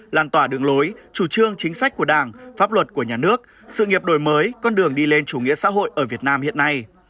làn tỏa đường lối chủ trương chính sách của đảng pháp luật của nhà nước sự nghiệp đổi mới con đường đi lên chủ nghĩa xã hội ở việt nam hiện nay